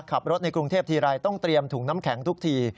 ขับรถในกรุงเทพทีไรต้องเตรียมถุงน้ำแข็งทุกที